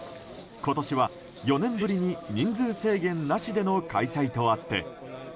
今年は４年ぶりに人数制限なしでの開催とあって。